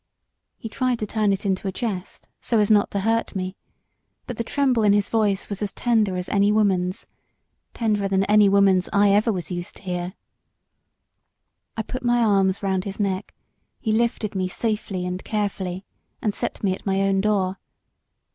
He tried to turn it into a jest, so as not to hurt me; but the tremble in his voice was as tender as any woman's tenderer than any woman's I ever was used to hear. I put my arms round his neck; he lifted me safely and carefully, and set me at my own door.